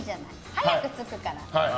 早く着くから。